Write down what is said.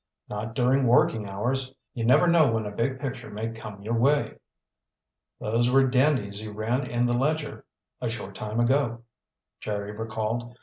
"Not during working hours. You never know when a big picture may come your way." "Those were dandies you ran in the Ledger a short time ago," Jerry recalled.